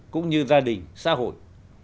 cũng như gia đình xã hội